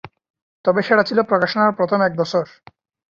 তবে সেটা ছিল প্রকাশনার প্রথম এক বছর।